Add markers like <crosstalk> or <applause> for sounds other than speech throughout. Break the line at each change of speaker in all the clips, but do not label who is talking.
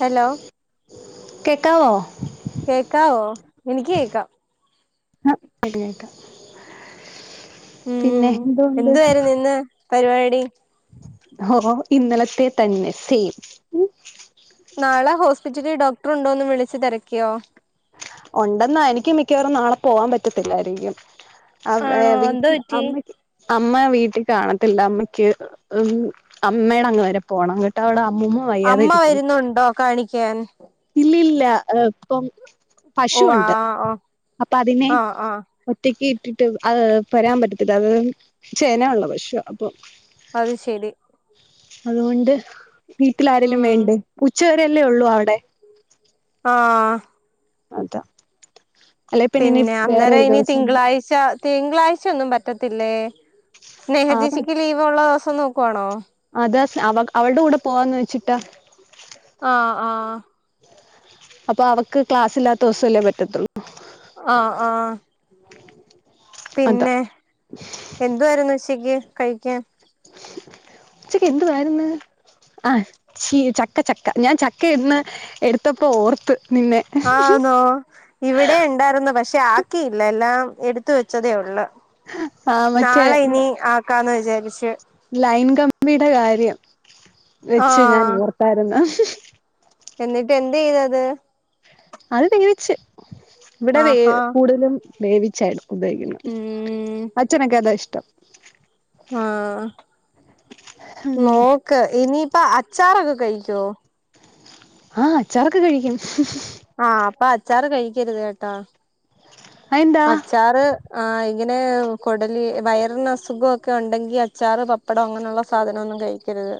Hello
കെക്കാവോ
കേക്കാവോ എനിക്ക് കേക്കാം
ആഹ്‌ <unintelligible> പിന്നെ എന്തുണ്ട്
പരിവാടി
ഓഹ് ഇന്നലത്തെ തന്നെ സെയിം ഉം
നാളെ ഹോസ്പിറ്റലിൽ ഡോക്ടർ ഉണ്ടോന്ന് വിളിച്ച് തെരക്കിയോ?
ഉണ്ടെന്ന എനക്ക് മിക്കവാറും നാളെ പോവാൻ പറ്റത്തില്ലായിരിക്കും അവ
ആണോ
വീട്ട
എന്തോ പറ്റി
അമ്മക്ക് അമ്മ വീട്ടിൽ കാണത്തില്ല അമ്മയ്ക്ക് ഉം അമ്മേയുടെ അങ്ങ് വരെ പോണം ങ്ങിട്ട് അവിടെ അമ്മൂമ
അമ്മ വരുന്നുണ്ടോ കാണിക്കാൻ
ഇല്ലല്ല ഇപ്പം
ഓ ആ
പശുണ്ട്
ഓ
അപ്പൊ അതിനെ
ആഹ് ആഹ്
ഒറ്റക്ക് ഇട്ടിട്ട് അഹ്‌ വരാൻ പറ്റത്തില്ല അത് ചെന ഉള്ള പശോ അപ്പൊ
അത് ശരി
അതുകൊണ്ട് വീട്ടില് ആരേലും
ഉം
വേണ്ടേ ഉച്ചവരെല്ലേ ള്ളൂ അവ്ടെ
ആഹ്‌
അത
പിന്നെ അന്നേരം ഇനി
ദിവസം
തിങ്കളാഴ്ച തിങ്കളാഴ്ച ഒന്നും പറ്റത്തില്ലേ
ആ
സ്നേഹചേച്ചിക്ക് ലീവുള്ള ദിവസം നോക്കുവാണോ.
അത് അവ അവൾടെ കൂടെ പോവാന്ന് വെച്ചിട്ട
ആഹ്‌ ആഹ്‌
അപ്പൊ അവൾക്ക് ക്ലാസ് ഇല്ലാത്തവസല്ലേ പറ്റത്തൊള്ളൂ.
ആഹ്‌ ആഹ്‌
ഉ <inaudible>
പിന്നെ എന്തുവായിരിന്നു ഉച്ചക്ക്കഴിക്കാൻ
ഉച്ചക്ക് എന്തു വായിരുന്നു ആഹ്‌ ചീ ചക്ക ചക്ക ഞാൻ ചക്ക ഇന്ന് എടുത്തപ്പോ ഓർത്ത് നിന്നെ
ആണോ ഇവിടെ ഉണ്ടായിരുന്നു പക്ഷെ ആക്കിയില്ല എല്ലാം എടുത്ത വെച്ചതേ ഒള്ളൂ
ആ മറ്റേ
നാളെ ഇനി ആക്കാന്ന് വിചാരിച്ചു.
ലൈൻ കമ്പിയുടെ കാര്യം വെച്ച് ഞാൻ
ആഹ്
ഓർത്തായിരുന്നു
എന്നിട്ട് എന്ത് ചെയ്തത്
അത് വേവിച്ച് ഇവിടെ വേ
ആഹാ
കൂടുതലും വേവിച്ചാ ഉപയോഗിക്കുന്നു
ഉം
അച്ഛനൊക്കെ അതാ ഇഷ്ടം
ആഹ്‌
ഉം
നോക്ക് ഇനിയിപ്പ അച്ചാറൊക്കെ കഴിക്കോ
ആഹ് അച്ചാറൊക്കെ കഴിക്കും.
ആഹ്‌ അപ്പൊ അച്ചാറ് കഴിക്കരുത് കേട്ടോ.
അതെന്താ
അച്ചാറ് ആഹ്‌ ഇങ്ങനെ കൊടലി വയറിന് അസുഖൊക്കെ ഉണ്ടെങ്കി അച്ചാറ് പ പ്പടം അങ്ങനെയുള്ള സാധനം ഒന്നും കഴിക്കരുത്.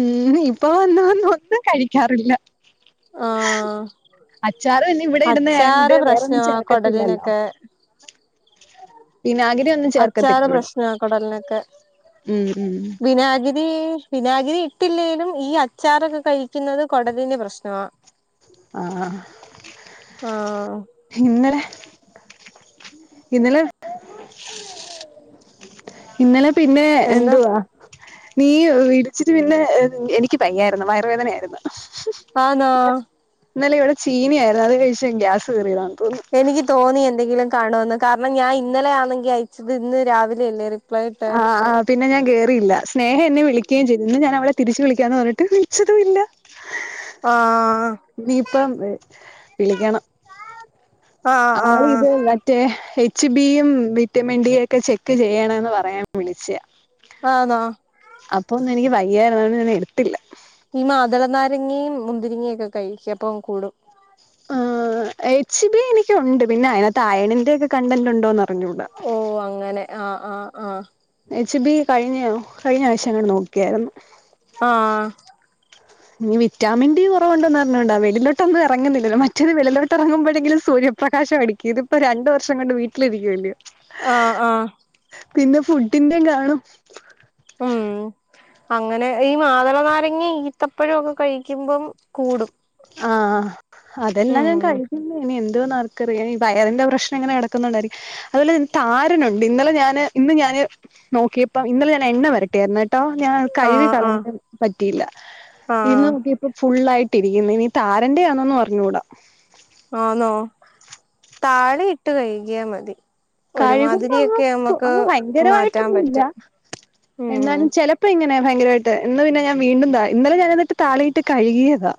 ഉം ഇപ്പ വന്ന് വന്ന് ഒന്നും കഴിക്കാറില്ല.
ആഹ്‌
അച്ചാറ് പിന്നെ ഇവിടെ ഇടുന്ന ആയോണ്ട്
അച്ചാറ്
വേറൊന്നും
പ്രശ്നമാ
ചേർക്കത്തില്ലല്ലോ
കൊടലിനൊക്കെ.
വിനാഗിരി ഒന്നും ചേർക്കത്തില്ല
അച്ചാറ്
ഇവിടെ
പ്രശ്നാ കൊടലിനൊക്കെ
ഉം ഉം.
ദീ വിനാഗിരി ഇട്ടില്ലെലും ഈ അച്ചാറൊക്കെ കഴിക്കുന്നത് കൊടലിന് പ്രശ്നമാ.
ആഹ്‌
ആഹ്
ഇന്നലെ ഇന്നലെ ഇന്നലെ പിന്നെ
എന്നാ
എന്തുവാ നീ വിടിച്ചിട്ട് പിന്നെ എനിക്ക് വയ്യായിരുന്നു വയറുവേദനയായിരുന്നു.
ആന്നോ
ഇന്നലെ ഇവിടെ ചീനിയായിരുന്നു അത് കഴിച്ചങ് ഗ്യാസ് കേറിയതാന്ന് തോന്നുന്നു.
എനിക്ക് തോന്നി എന്തെങ്കിലും കാണോന്ന് കാരണം ഞാൻ ഇന്നലെ ആന്നെങ്കി അയച്ചത് ഇന്ന് രാവിലെയല്ലേരും
ആഹ് ആഹ് പിന്നെ ഞാൻ കേയയില്ല. സ്നേഹ എന്നെ വിളിക്ക്യയും ചെയ്തു. ഇന്ന് ഞാൻ അവളെ തിരിച്ചു വിളിക്കാൻ പറഞ്ഞിട്ട് വിളിച്ചതു ഇല്ല.
ആഹ്
ഇനീ പ്പം വിളിക്കണം.
ആഹ്
ആൾ
ആഹ്
ഇത് മ റ്റേ എച്ച് ബിയും വിറ്റമിൻ ഡി യൊക്കെ ചെക്ക് ചെയ്യണം ന്ന് പറയാൻ വിളിച്ചെയാ.
ആന്നോ.
അപ്പൊ ഒന്നും എനിക്ക് വയ്യായിരുന്നു അതൊണ്ട് ഞാൻ എടുത്തില്ല.
ഈ മാതള നാരങ്ങിയയും മുന്തിരിങ്ങയും ഒക്കെ കഴിക്ക്യ് അപ്പം കൂടും.
ആഹ് എച്ച് ബി എനിക്കുണ്ട്. പിന്നെ അയിനാത്ത് അയേണിന്റെ ഒക്കെ കണ്ടന്റുണ്ടോന്ന് അറിഞ്ഞുട.
ഓഹ് അങ്ങനെ. ആഹ് ആഹ് ആഹ്.
എച്ച് ബി കഴിഞ്ഞോ കഴിഞ്ഞ ആയ്ച്ചയെങ്ങാട് നോക്കിയായിരുന്നു.
ആഹ്
ഇനി വിറ്റാമിൻ ഡി കുറവുണ്ടെന്നറിഞ്ഞൂടാ. വെളിലോട്ടൊന്നും എറങ്ങുന്നില്ലല്ലോ. മറ്റത് വെളിലോട്ട് എറങ്ങുമ്പഴെങ്കിലും സുര്യ പ്രകാശം അടിക്ക്യും. ഇതിപ്പ രണ്ടു വർഷം കൊണ്ട് വീട്ടിലിരിക്കുവല്ല്യോ.
ആഹ് ആഹ്
പിന്നെ ഫുഡിൻ്റെം കാണും.
ഉം അങ്ങനെ. ഈ മാതള നാരങ്ങി ഈത്തപ്പഴം ഒക്കെ കഴിക്കുമ്പം കൂടും.
ആഹ് അതെല്ലാം
ഉം
ഞാൻ കഴിക്കിന്നേ ഇനി എന്തോന്നർ ക്കറിയാം. ഈ വയറിന്റെ പ്രശ്നം ഇങ്ങനെ കിടക്കുന്നോണ്ടായിരിക്കും. അതുപോലെ താരനുണ്ട് ഇന്നലെ ഞാന് ഇന്ന് ഞാന് നോക്കിയപ്പപ്പം ഇന്നലെ ഞാൻ എണ്ണ വരട്ടിയായിരുന്നേട്ടോ. ഞാൻ കഴുവി
ആഹ് ആഹ്
കളയാനും പറ്റിയില്ല. ഇന്ന്
ആഹ്
നോക്കി ഫുൾ ആയിട്ട് ഇരിക്കുന്ന്. ഇനി താരന്റെ ആന്നൊന്നും അറിഞ്ഞൂടാ.
ആന്നോ. താളി ഇട്ട് കഴ്കിയാ മതി.
കഴുകുമ്പോ അങ്ങ്
ഒരുമാതിരിയൊക്കെ നമ്മക്ക്
അങ്
മാറ്റാൻ
ഭയങ്കരമായിട്ടൊന്നു ഇല്ല.
പറ്റും ഉം
എന്നാലും ചെല പ്പ ഇങ്ങനെ ഭയങ്കരമായിട്ട്. ഇന്ന് പിന്നെ ഞാൻ വീണ്ടുംന്താ ഇന്നലെ ഞാനെന്നിട്ട് താാളിയിട്ട് കഴുകിയതാ.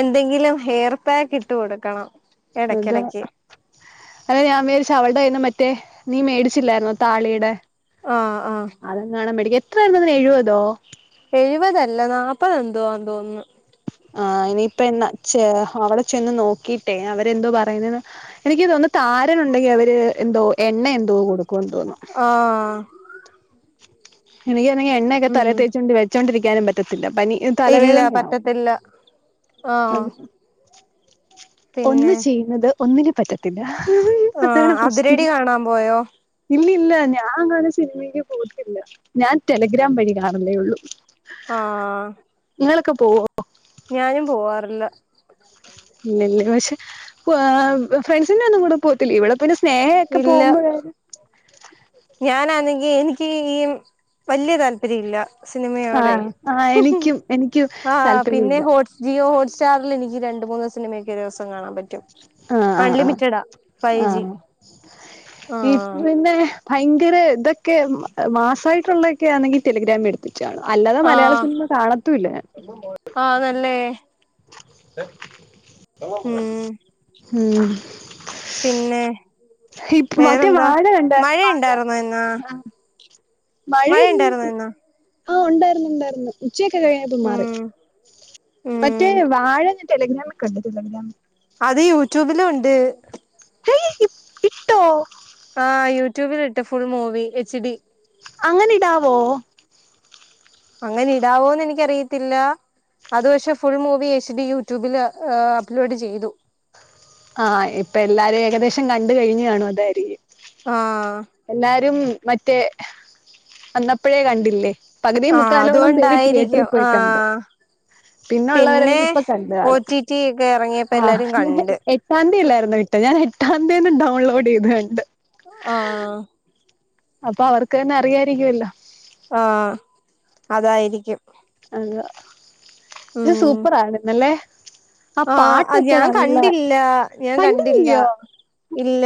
എന്തെങ്കിലും ഹെയർ പാക്ക് ഇട്ട് കൊടുക്കണം.
അതാ
എടക്കെടക്ക്
അല്ലെ ഞാൻ മേരിച്ച അവളുടെ കയ്യീന്ന് മറ്റേ നീ മേടിച്ചില്ലായിരുന്നോ താളീടെ
ആഹ് ആഹ്
അതെ കാണാൻ മെഡിക്ക എത്രായിരുന്നതിന് എഴുപതോ
എഴുപതല്ല നാല്പ്പത് എന്തുവാന്ന് തോന്നുന്നു
ആഹ് ഇനിയിപ്പ എന്നാ ചെ അവിടെ ചെന്ന് നോക്കിട്ടേ അവരെന്തോ പറയുന്നെന്ന് എനിക്ക് തോന്നുന്നു താരൻുണ്ടെങ്കിൽ അവര് എന്തോ എണ്ണ എന്തോ കൊടുക്കോന്ന് തോന്നുന്നു
ആഹ്
എനിക്ക് ആണെങ്കി എണ്ണ ഒക്കെ
ഉം
തലേച്ചൊണ്ട് വച്ചൊണ്ടരിക്കാനുംറ്റും ത്തില്ല പനി
ഇല്ല
തലവേദനയാവുംും
പറ്റത്തില്ല
അ
ആഹ്
ഒന്ന്
പിന്നെ
ചെയ്യുന്നത് ഒന്നിന് പറ്റത്തില്ല അതാണ്
ആഹ്
പ്രശ്നം
അതിരടി കാണാൻ പോയോ
ഇല്ല ഇല്ല ഞാൻ അങ്ങാനെ സിനിമക്ക് പോയിട്ടില്ല ഞാൻ ടെലിഗ്രാം വഴി കാണലേ ഉള്ളു
ആഹ്
ഇങ്ങളൊക്കെ പോവോ
ഞാനും പോവാറില്ല
പിന്നന്നെ പക്ഷെ് ഫാ ഫ്രണ്ട്സി ഒന്നും കൂടെ പോത്തില്ല ഇവിടെ പിന്നെ സ്നേഹ ഒക്കെ പോകുമ്പോ വേ
ഞാനാണെങ്കിൽ എനിക്ക് ഈ വലിയ താല്പര്യം ഇല്ല സിനിമയോടെ
ആഹ് ആഹ് എനിക്കും എനിക്കും
ആഹ് പിന്നെ
താല്പര്യമില്ല
ഹോട്ട് ജിയോ ഹോട്ട് സ്റ്റാറിൽ എനിക്ക് രണ്ട് മൂന്ന് സിനിമയൊക്കെ ഒരു ദിവസം കാണാൻ പറ്റും
ആഹ് ആഹ് ആഹ്
അൺലിമിറ്റഡാ ഫൈവ് ജി
ആഹ് ഇത്
ആഹ്
പിന്നെ ഭയങ്കര ഇതൊക്കെ മാസായിട്ടുള്ളതൊക്കെ ആണെങ്കിൽ ടെലിഗ്രാമിൽ ഇടും അല്ലാതെ മലയാള
ആഹ്
സിനിമ കാണത്തും ഇല്ല ഞാൻ
ആന്നല്ലേ ഉം
ഉം
പിന്നെ
ഇ മറ്റേ
വേറെന്താ
വാഴ കണ്ടായിരുന്നാ വാഴ
മഴയുണ്ടായിരുന്നോ മഴ
മഴയില്ല
ഉണ്ടായിരുന്നാ ഇന്ന്
ആഹ് ഉണ്ടായിരുന്നു ഉണ്ടായിരുന്നു ഉച്ചയൊക്കെ കഴിഞ്ഞപ്പോ മാറി
ഉം
മറ്റേ
ഉം
വാഴ ടെലിഗ്രാമിൽ കണ്ട് ടെലിഗ്രാമി
അത് യൂട്യൂബിലും ഉണ്ട്
ഏയ് ഇ ഇട്ടോ
ആഹ് യൂട്യൂബിലിട്ട് ഫുൾ മൂവി എച്ച് ഡി
അങ്ങനെ ഇടാവോ
അങ്ങനെ ഇടാവോന്ന് എനിക്കറിയത്തില്ല അതു പക്ഷേ ഫുൾ മൂവി എച്ച് ഡി യൂട്യൂബിൽ അപ്പ്ലോഡ് ചെയ്തു
ആഹ് ഇപ്പൊ എല്ലാരും ഏകദേശം കണ്ട് കഴിഞ്ഞു കാണും അതായിരിക്കും
ആഹ്
എല്ലാരും മറ്റേ വന്നപ്പോഴേ കണ്ടില്ലേ പകുതി
ആഹ്
മുക്കാലോളം പേര് തിയേറ്ററിൽ
അതുകൊണ്ടായിരിക്കും
പോയി കണ്ട്
ആഹ്
പിന്നെ ഉള്ളവരെല്ലാം ഇപ്പൊ കണ്ടു
ഒ
കാണും
ടി ടി ഒക്കെ എറങ്ങിയപ്പോ എല്ലാരും
ആഹ്
കണ്ട്
എട്ടാം തീയതി അല്ലായിരുന്നോ ഇട്ട ഞാൻ എട്ടാം തീയതി തന്നെ ഡൗൺലോഡ് ചെയ്തു കണ്ട്
ആഹ്
അപ്പൊ അവർക്ക് തന്നെ അറിയായിരിക്കുമല്ലോ
ആഹ് അതായിരിക്കും
അതാ ഇത്
ഉം
സൂപ്പർ ആരുന്നല്ലേ
ആഹ് ഞാൻ കണ്ടില്ല ഞാൻ കണ്ടില്ല
കണ്ടില്ലയോ
ഇല്ല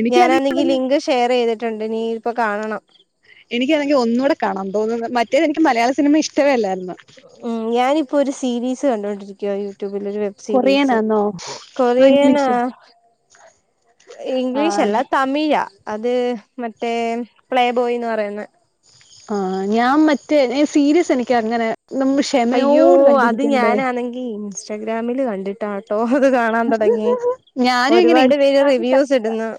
എനിക്കാണെങ്കിൽ
ഞാനാന്നെങ്കിൽ ലിങ്ക് ഷെയറി തിട്ടുണ്ട് നീ ഇപ്പ കാണണം
എനിക്ക് ആണെങ്കി ഒന്നൂടെ കാണാൻ തോന്നുന്നു മറ്റേത് എനിക്ക് മലയാള സിനിമ ഇഷ്ടവേ അല്ലാരുന്നു
ഉം ഞാനിപ്പോ ഒരു സീരീസ് കണ്ടുകൊണ്ടിരിക്കുവ യു ട്യൂബിൽ ഒരു വെബ് സീരീസ്
കൊറിയനാന്നോ അതോ
കൊറിയനാ
ഇംഗ്ലീഷ് ആ
ഇംഗ്ലീഷ് അല്ല തമിഴാ അത് മറ്റേ പ്ലേബോയ്ന്ന് പറയ്ന്ന
ആഹ് ഞാ മറ്റേ സീരിസ് എനിക്ക് അങ്ങനെ <unintelligible>
അയ്യോ അത്
കണ്ടിരിക്കണ്ടേ
ഞാനാന്നെങ്കി ഇൻസ്റ്റാഗ്രാമില് കണ്ട് ട്ടാട്ടോ അത് കാണാ തൊടങ്ങി
ഞാനും ഇങ്ങനെ
ഒരുപാട് പേര്
ഇൻസ്റ്റഗ്രാമിൽ
റിവ്യൂസ്
കണ്ടിട്ടാ
ഇട്ന്നു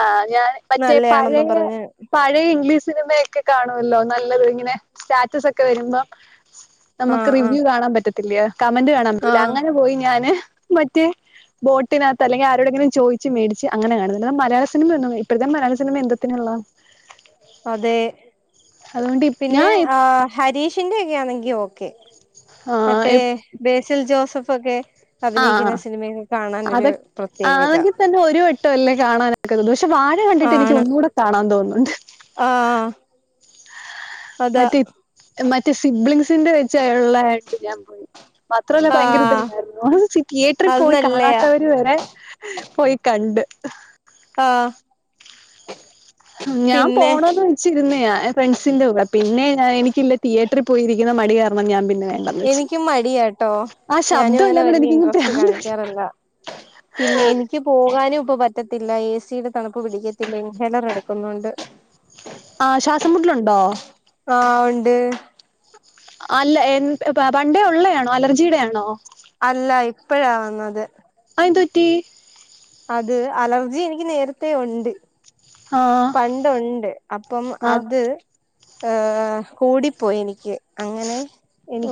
ആഹ് ഞാൻ മറ്റേ പഴയ
പറഞ്ഞ്
പഴയ ഇംഗ്ലീഷ് സിനിമ യൊ ക്കേ കാണുവല്ലോ നല്ലത് ഇങ്ങനെ സ്റ്റാറ്റസ് ഒക്കെ വരുമ്പോ നമുക്ക്
ആഹ് ആഹ്
റിവ്യൂ കാണാൻ പറ്റ ല്ല്യ കമന്റ് കാണാൻ പറ്റില്ല
ആഹ്
അങ്ങനെ പോയി ഞാന് മറ്റേ ബോട്ടിനകത്ത് അല്ലെങ്കി ആരോടെങ്കിലും ചോയിച്ച് മേടിച്ച് അങ്ങനെ കാണുന്നത് അല്ലാതെ മലയാള സിനിമ ഒന്നും ഇപ്പഴത്തെ മലയാള സിനിമ എന്തോത്തിന് കൊള്ളാം
അതെ
അതുകൊണ്ട്
പിന്നെ
ഞാൻ
ആ ഹരീഷിന്റെ ഒക്കെ ആന്നെങ്കി ഓക്കെ മറ്റേ
ആഹ്
ബേസിൽ ജോസഫ് ഒക്കെ
ആഹ്
അഭിനയിക്കുന്ന സിനിമ
അതൊ ആണെങ്കി തന്നെ ഒരു വട്ടം അല്ലേ കാണാ പക്ഷെ വാഴ കണ്ടിട്ട് എനിക്ക്
ആണ്
ഒന്നൂടെ കാണാ തോന്ന്ണ്ട്
ആഹ് അതാ
മറ്റേ സിബ്ലിങ്സിന്റെ വെച്ചായുള്ള ഞാൻ പോയി മാത്രല്ല ഭയങ്കര
ആഹ്
ഇതല്ലാരുന്നോ തിയേട്രീ
അത്
പോയി
നല്ലയാ
കാണാത്തവര് ഇത് വരെ പോയി കണ്ട്
ആഹ്
ഞാ
പിന്നെ
പോണത് ച്ചിരുന്നേ ഫ്രണ്ട്സിന്റ കൂടെ പിന്നെ ഞാൻ എനിക്കില്ലേ തിയേറ്ററിൽ പോയിരിക്കുന്ന മടി കാരണം ഞാ പിന്നെ വേണ്ടന്ന് വെച്ച്
എനിക്കും മടിയാട്ടോ
ആ
ഞാനും
ശബ്ദം
അങ്ങനെ
എല്ലാം കൂടെ
വല്യ
എനിക്കിങ്ങ്
ഇൻട്രസ്റ്റ്
പ്രാന്ത് പിടിച്ച്
കാണിക്കാറില്ല പിന്നെ എനി ക്ക് പോകാനുംപ്പൊ പറ്റത്തില്ല ഏ സി ടെ തണുപ്പ് പിടിക്കത്തില്ല ഇൻഹെലർ എടുക്കുന്നോണ്ട് <inaudible>
ആഹ് ശ്വാസം മുട്ട്ലുണ്ടോ
ആഹ് ഉണ്ട്
അ അല്ല എൻ പ പണ്ടേ ഉള്ളയാണോ അലർജീടേണോ
അല്ല ഇപ്പഴാ വന്നത്
അയെന്തു പറ്റി
അത് അലർജി എനിക്ക് നേരത്തേ ഉണ്ട്
ആ
പണ്ടുണ്ട് അപ്പം
ആ
അത് ഏഹ് കൂടിപ്പോയി എനിക്ക് അങ്ങനെ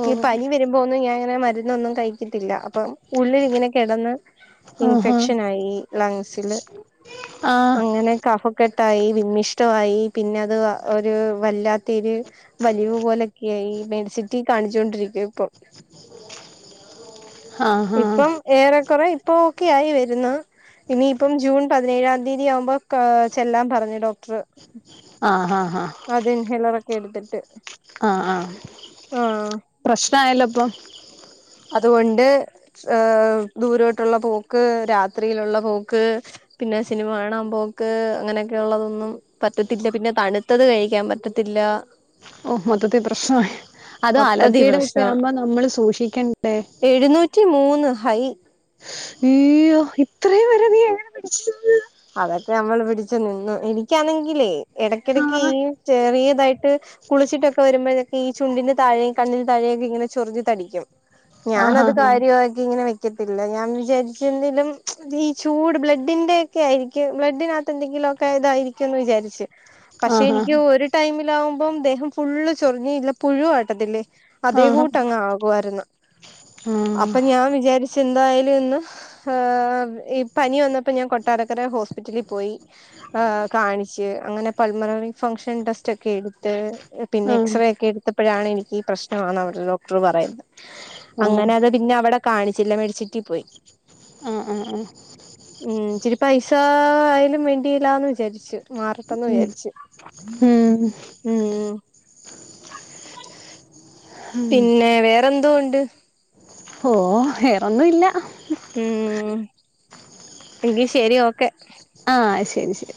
ഓ
പനി വരു മ്പൊന്നും ഞാനങ്ങനെ മര്ന്നൊന്നും കഴിക്കത്തില്ല അപ്പം ഉള്ളില്ങ്ങനെ കെടന്ന്
ആഹാ
ഇൻഫെക്ഷനായി ലെൻസില്
ആ
അങ്ങനെ കഫക്കെട്ടായി വിമ്മിഷ്ടവായി പിന്നെ അത് ഒരു വല്ലാത്തെര് വലിവ് പോലൊക്കെയായി മെഡ്സിറ്റി കാണിച്ചു കൊണ്ടിരിക്കാ ഇപ്പൊ
<inaudible> ഹാ
ഇപ്പം ഏറെ കൊറേ ഇപ്പ ഓക്കെ ആയി വരുന്ന് ഇനിയിപ്പം ജൂൺ പതിനേഴാം തീയ്യതി ആവുമ്പോ ക്കാ ചെല്ലാ പറഞ്ഞു ഡോക്ട്ർ
ആഹ് ആഹ് ആഹ്
അതിൻഹെല്ലറൊക്കെടുത്ത്ട്ട്
ആഹ് ആഹ് പ്രശ്നായാല്ലൊപ്പൊ
അതുകൊണ്ട് ഏഹ് ദൂരോട്ടുള്ള പോക്ക് രാത്രിയിലുള്ള പോക്ക് പിന്നെ സിനിമ കാണാൻ പോക്ക് അങ്ങനെക്കെള്ളതൊന്നും പറ്റത്തില്ല പിന്നെ തണുത്തത് കഴിക്കാൻ പറ്റത്തില്ല
ഓ മൊത്തത്തീ പ്രശ്നായി അത്
മൊത്തത്തി
അലർജിടെക്കെ
പ്രശ്നവാ
ആവുമ്പോ നമ്മള് സൂക്ഷിക്കണ്ടേ
എഴുന്നൂറ്റി മൂന്ന് ഹൈ
ഈയ്യൊ ഇത്രേം വരെ നീ എങ്ങനെ പിടിച്ച് നിന്ന്
അതൊക്കെ നമ്മള് പിടിച്ചു നിന്നു എനിക്കാണെങ്കിലേ
ആ
എടയ്ക്കെടക്ക് ഈ ചെറിയതായിട്ട് കുളിച്ചിട്ടൊക്കെ വരുമ്പോഴെ ഈ ചുണ്ടിന്റെ താഴെം കണ്ണിന് താഴെക്കെങ്ങനെ ചൊറിഞ്ഞ് തടിക്കും
ആഹാ
ഞാനത് കാര്യാക്കി ഇങ്ങെനെ വെ ക്കത്തില്ല ഞാൻ വിചാരിച്ച് എന്തേലും ഈ ചൂട് ബ്ലഡിന്റെ ക്കെ ആയിരിക്കും ബ്ലഡിനത്ത് എന്തെങ്കിലും ഒക്കെ ഇതായിരിക്കുംന്ന് വിചരിച്ച് പക്ഷെ
ആഹാ
എനിക്ക് ഒര് ടൈമിലാവുമ്പോ ദേഹം ഫുള്ള് ചൊറിഞ്ഞ്ല്ല പുഴു ആട്ടത്തില്ലേ
ആഹാ ആ
അതേ
ഹാ
കൂട്ടങ്ങ് ആകുവാരുന്നു അപ്പൊ ഞാൻ വിചാരി ച്ചെന്തായലുന്ന് ഏഹ് ഈ പനി വന്നപ്പോ ഞാൻ കൊ ട്ടാരക്കര ഹോസ്പിറ്റലി പോയി ഏഹ് കാണിച്ച് അങ്ങനെ പൾമനറി ഫംഗ്ഷൻ ടെസ്റ്റൊക്കെടുത്ത്
ആ
പിന്നെ
ഹാ
എക്സ്റേയൊക്കെടുത്തപ്പോഴാണെനിക്ക് ഈ പ്രശ്നാണ് അവര് ഡോ ക്ടറ് പറയ്ന്ന്
ആ
അങ്ങനത് പിന്നവടെ കാണിച്ചില്ല മേടിച്ചിറ്റി പോയി
ആ ആ ആ
ഉം ചിരി പൈസാ ആയലും വേണ്ടീല്ലാന്ന് വിചാരിച്ചു മാറെട്ടന്ന്
ഉം.
വിചാരിച്ചു
ഉം.
ഉം
<inaudible>
പിന്നെ വേറെന്തോണ്ട്
ഹോ വേറൊന്നുല്ല
ഉം എങ്കി ശരി ഓക്കെ
ആഹ് ശരി ശരി